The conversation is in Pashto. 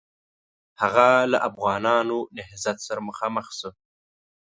هغه له افغانانو نهضت سره مخامخ شو.